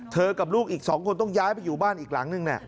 กับลูกอีก๒คนต้องย้ายไปอยู่บ้านอีกหลังนึง